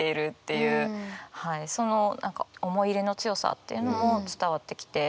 はいその何か思い入れの強さっていうのも伝わってきて。